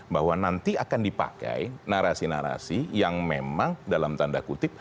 bahwa nanti akan dipakai narasi narasi yang memang dalam tanda kutip